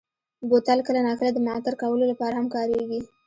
بوتل کله ناکله د معطر کولو لپاره هم کارېږي.